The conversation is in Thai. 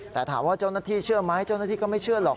แต่ถามว่าเจ้าหน้าที่เชื่อไหมเจ้าหน้าที่ก็ไม่เชื่อหรอก